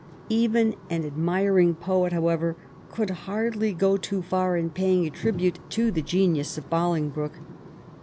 Even an admiring poet, how ever, could hardly go too far in paying a tribute to the genius of Bolingbroke.